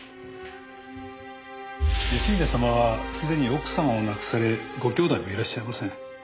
義英様はすでに奥様を亡くされご兄弟もいらっしゃいません。